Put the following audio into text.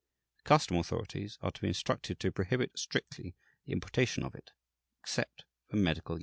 The custom authorities are to be instructed to prohibit strictly the importation of it, except for medical uses."